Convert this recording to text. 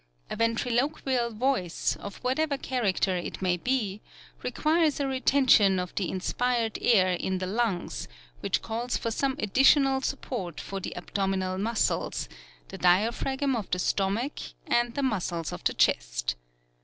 A ventriloquial voice, of whatever character it may be, requires a retention of the in AND VOCAL ILLUSIONS. " 19 spired air in the lungs, which calls for some additional support from the abdominal muscles, the diaphragm of the stomach and the muscles of the chest.